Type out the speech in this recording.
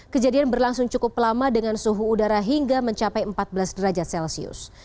kejadian berlangsung cukup lama dengan suhu udara hingga mencapai empat belas derajat celcius